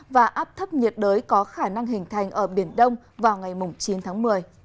và áp thấp nhiệt đới có khả năng hình thành ở biển đông vào ngày chín tháng một mươi